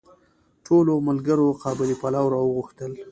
ټولو ملګرو قابلي پلو راوغوښتل.